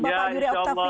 bapak yuri octavian tamrin